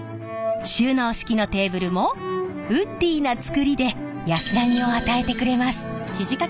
収納式のテーブルもウッディーな作りで安らぎを与えてくれます。